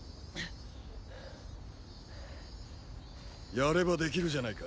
やればできるじゃないか。